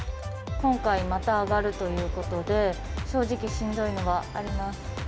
今回、また上がるということで、正直しんどいのはあります。